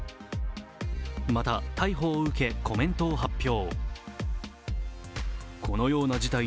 また逮捕を受け、コメント発表。